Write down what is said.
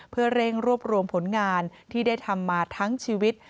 เพื่อเร่งรวบรวมผลงานที่ได้ทำมาทั้งชีวิต